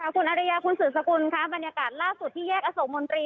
คุณอริยาคุณสืบสกุลค่ะบรรยากาศล่าสุดที่แยกอโศกมนตรี